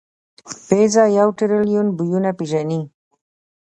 پزه یو ټریلیون بویونه پېژني.